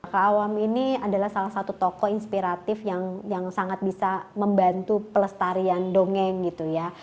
kak awam ini adalah salah satu tokoh inspiratif yang sangat bisa membantu pelestarian dongeng gitu ya